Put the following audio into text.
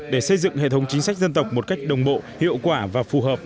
để xây dựng hệ thống chính sách dân tộc một cách đồng bộ hiệu quả và phù hợp